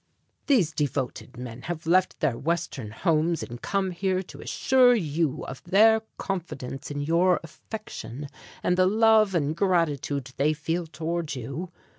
"These devoted men have left their Western homes and come here to assure you of their confidence in your affection, and the love and gratitude they feel toward you.